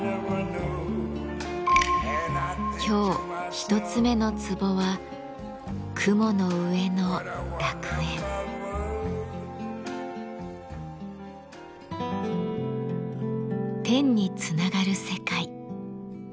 今日一つ目のツボは天につながる世界。